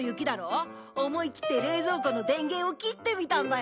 思いきって冷蔵庫の電源を切ってみたんだよ。